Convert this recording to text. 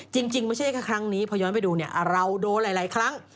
จริงไม่ใช่แค่ครั้งนี้พอย้อนไปดูเนี่ยเราโดนหลายครั้ง